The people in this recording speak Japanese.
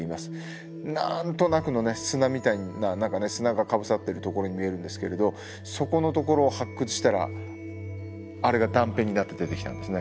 何となくの砂みたいな何かね砂がかぶさってるところに見えるんですけれどそこのところを発掘したらあれが断片になって出てきたんですね。